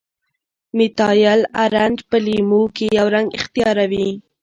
میتایل ارنج په لیمو کې یو رنګ اختیاروي.